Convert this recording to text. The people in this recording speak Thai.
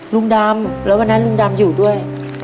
ลุงดำแล้ววันนั้นลุงดำอยู่ด้วย